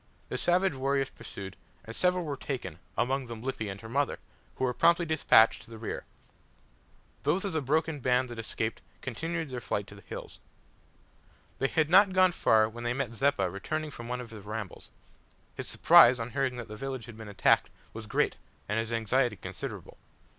The savage warriors pursued, and several were taken, among them Lippy and her mother, who were promptly despatched to the rear. Those of the broken band that escaped continued their flight to the hills. They had not gone far when they met Zeppa returning from one of his rambles. His surprise on hearing that the village had been attacked was great and his anxiety considerable.